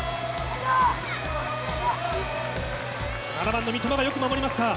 ７番の三笘がよく守りました。